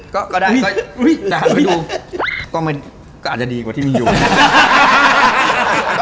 ก็ได้แต่หันไปดูก็อาจจะดีกว่าที่มีอยู่นะ